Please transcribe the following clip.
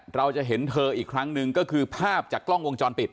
เราจะเห็นเธออีกครั้งหนึ่งก็คือภาพจากกล้องวงจรปิด